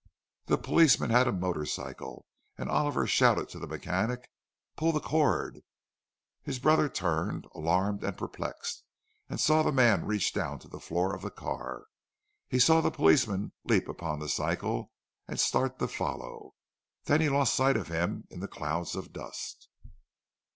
The policeman had a motor cycle, and Oliver shouted to the mechanic, "Pull the cord!" His brother turned, alarmed and perplexed, and saw the man reach down to the floor of the car. He saw the policeman leap upon the cycle and start to follow. Then he lost sight of him in the clouds of dust.